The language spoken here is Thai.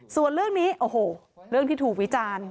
ส่วนเรื่องนี้ที่ถูกวิจัน